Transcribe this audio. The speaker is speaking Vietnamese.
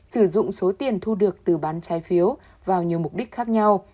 sử dụng số tiền thu được từ bán trái phiếu vào nhiều mục đích khác nhau